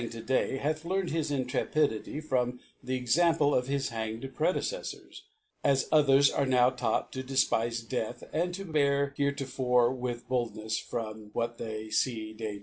ed to Pay hath karnt hislntre* pidity fron) the Example of his harjged Pre* deceilbrs, as others are now taught to de fpife Death, and to bear it hcr^ter with Boldnels from what they fee to Day.